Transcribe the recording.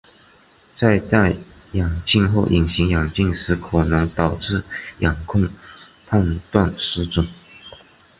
在戴眼镜或隐形眼镜时可能导致眼控判断失准。